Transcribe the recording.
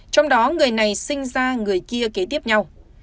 trong đó người này sinh ra người kia kế tiếp nhau